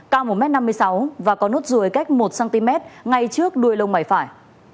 cao một m năm mươi sáu và có nốt ruồi cách một cm ngay trước đuôi lông mày phải